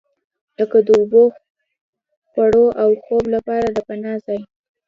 لکه د اوبو، خوړو او خوب لپاره د پناه ځای.